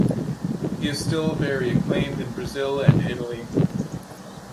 He is still very acclaimed in Brazil and Italy.